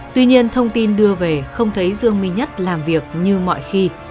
tuy nhiên thông tin đưa về không thấy dương minh nhất làm việc như mọi khi